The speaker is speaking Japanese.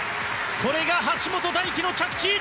これが橋本大輝の着地！